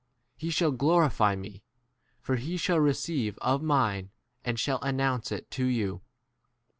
He 1 shall glorify me, for he shall receive of mine and shall announce 1 it to 15 you.